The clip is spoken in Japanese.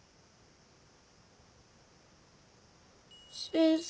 先生。